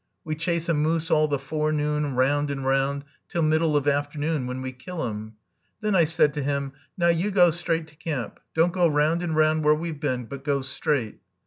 We chase a moose all the forenoon, round and round, till middle of afternoon, when we kill him. Then I said to him, 'Now you go straight to camp. Don't go round and round where we've been, but go straight.